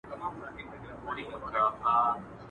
ویل خدایه تا ویل زه دي پالمه.